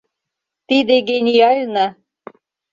Тиде гениально!